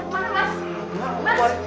mau kemana mas